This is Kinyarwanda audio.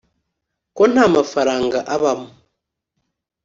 ko nta mafaranga abamo